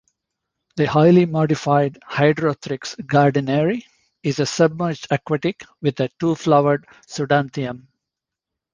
The highly modified "Hydrothrix gardneri" is a submerged aquatic with a two-flowered pseudanthium.